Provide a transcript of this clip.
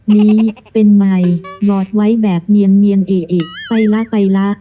นี้เป็นมายหลอดไว้แบบเนียนเนียนไปล่ะไปล่ะ